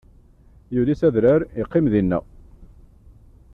Yuli s adrar, iqqim dinna.